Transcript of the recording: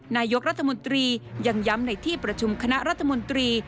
นายกรัฐมนตรียังย้ำในที่ประชุมคณะรัฐมนตรี